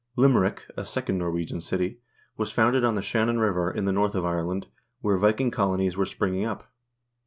Lim erick, a second Norwegian city, was founded on the Shannon River, in the north of Ireland, where Viking colonies were springing up.